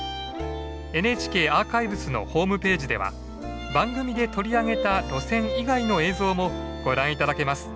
ＮＨＫアーカイブスのホームページでは番組で取り上げた路線以外の映像もご覧頂けます。